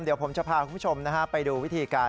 เดี๋ยวผมจะพาคุณผู้ชมไปดูวิธีการ